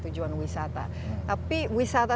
tujuan wisata tapi wisata